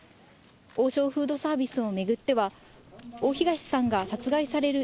王将フードサービスを巡っては、大東さんが殺害される